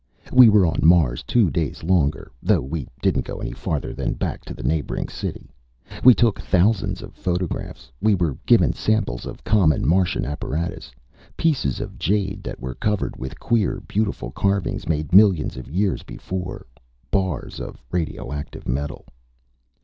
We were on Mars two days longer, though we didn't go any farther than back to the neighboring city. We took thousands of photographs. We were given samples of common Martian apparatus, pieces of jade that were covered with queer, beautiful carvings made millions of years before, bars of radioactive metal.